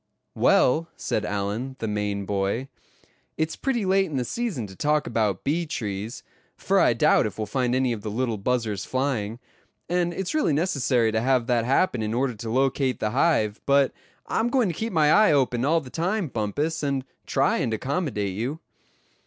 "Well," said Allan, the Maine boy, "it's pretty late in the season to talk about bee trees, for I doubt if we'll find any of the little buzzers flying; and it's really necessary to have that happen in order to locate the hive; but I'm going to keep my eye open all the time, Bumpus, and try and accommodate you."